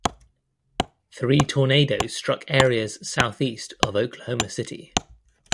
Three tornadoes struck areas southeast of Oklahoma City.